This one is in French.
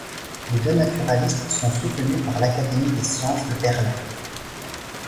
Les deux naturalistes sont soutenus par l’Académie des sciences de Berlin.